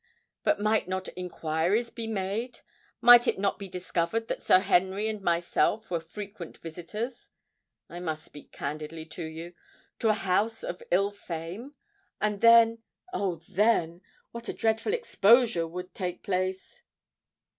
But might not inquiries be made—might it not be discovered that Sir Henry and myself were frequent visitors—I must speak candidly to you—to a house of ill fame? And then—oh then! what a dreadful exposure would take place!"